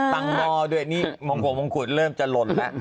ต่างนด้วยนี่มงคลมงคุณเริ่มจะหล่นซะ